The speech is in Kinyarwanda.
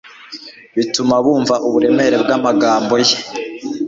bituma bumva uburemere bw'amagambo ye.